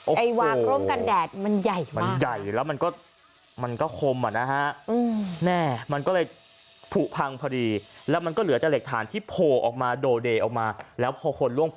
โอ้โหเจ็บปวดแทนเสียวแทนจริง